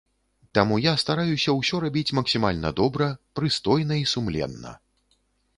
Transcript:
Таму я стараюся ўсё рабіць максімальна добра, прыстойна і сумленна.